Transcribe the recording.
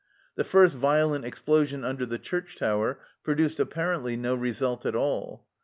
The first violent explosion under the church tower produced apparently no result at all.